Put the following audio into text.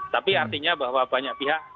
tapi artinya bahwa banyak pihak